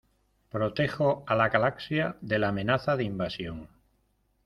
Protejo a la galaxia de la amenaza de invasión...